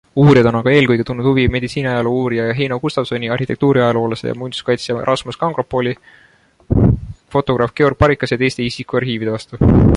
Uurijad on aga eelkõige tundnud huvi meditsiiniajaloo uurija Heino Gustavsoni, arhitektuuriajaloolase ja muinsuskaitsja Rasmus Kangropooli, fotograaf Georg Parikase jt isikuarhiivide vastu.